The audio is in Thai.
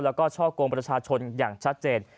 แล้วก็ช่อกงประชาชนอย่างชัดเจน